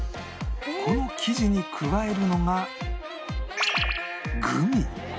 この生地に加えるのが